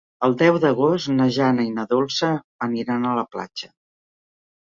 El deu d'agost na Jana i na Dolça aniran a la platja.